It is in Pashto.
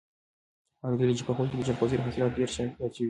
ما اورېدلي دي چې په خوست کې د جلغوزیو حاصلات ډېر زیات شوي دي.